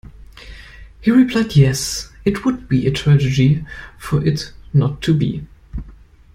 He replied yes, it would be a tragedy for it not to be.